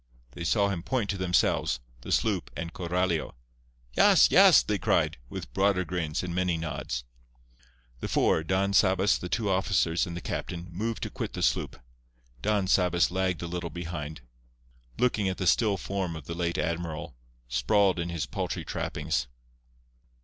They saw him point to themselves, the sloop and Coralio. "Yas, yas!" they cried, with broader grins and many nods. The four—Don Sabas, the two officers and the captain—moved to quit the sloop. Don Sabas lagged a little behind, looking at the still form of the late admiral, sprawled in his paltry trappings.